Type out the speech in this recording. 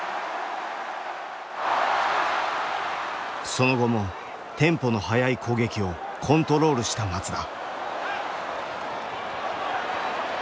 その後もテンポの速い攻撃をコントロールした松田。